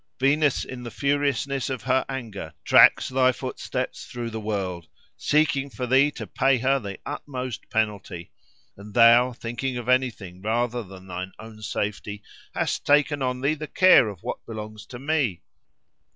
Venus, in the furiousness of her anger, tracks thy footsteps through the world, seeking for thee to pay her the utmost penalty; and thou, thinking of anything rather than thine own safety, hast taken on thee the care of what belongs to me!"